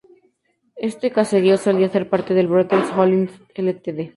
Este caserío solía ser parte del "Brothers Holdings Ltd.